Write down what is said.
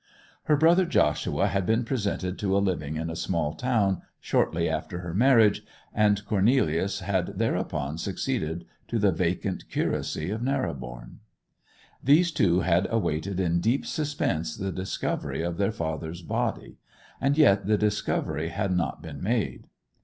Her brother Joshua had been presented to a living in a small town, shortly after her marriage, and Cornelius had thereupon succeeded to the vacant curacy of Narrobourne. These two had awaited in deep suspense the discovery of their father's body; and yet the discovery had not been made.